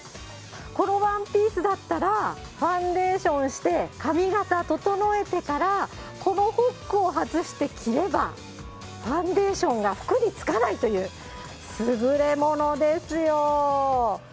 このワンピースだったら、ファンデーションして髪形整えてから、このホックを外して着れば、ファンデーションが服につかないという優れものですよ。